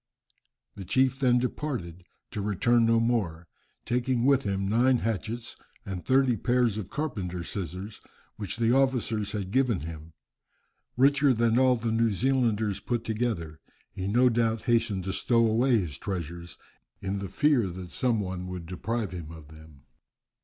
The chief then departed, to return no more, taking with him nine hatchets, and thirty pairs of carpenter's scissors, which the officers had given him. Richer than all the New Zealanders put together, he no doubt hastened to stow away his treasures, in the fear that some one would deprive him of them.